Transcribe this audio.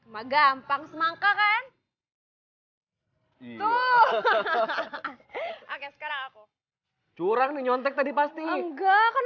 magampang semangka kan hai itu oke sekarang aku curang nyontek tadi pasti enggak kan